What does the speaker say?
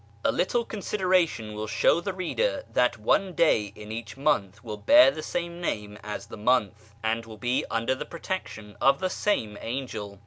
A little consideration ^vill show the reader that one day in each month will bear the same name as the month, and will be under the protection of the same angel.